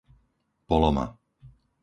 Poloma